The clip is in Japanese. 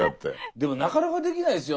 でもなかなかできないですよ。